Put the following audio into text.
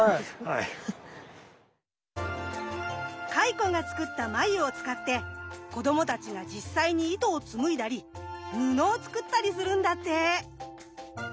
蚕が作った繭を使って子どもたちが実際に糸を紡いだり布を作ったりするんだって。